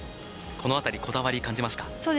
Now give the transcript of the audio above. この辺り、こだわりを感じますか。